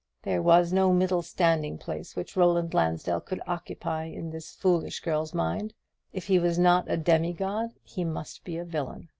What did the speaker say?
There was no middle standing place which Roland Lansdell could occupy in this foolish girl's mind. If he was not a demi god, he must be a villain.